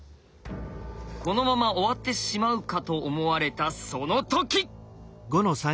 このまま終わってしまうかと思われたその時！